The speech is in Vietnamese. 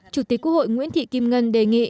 chủ tịch quốc hội nguyễn thị kim ngân đề nghị